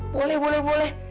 boleh boleh boleh